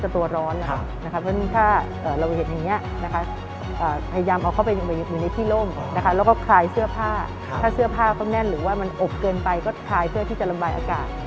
ถ้าเสื้อพาเขาแน่นหรือว่ามันอกเกินไปก็คลายเพื่อที่จะลำบายอากาศ